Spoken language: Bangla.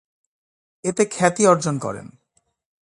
এতে খ্যাতি অর্জন করেন।